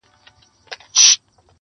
خو دننه ماته ده-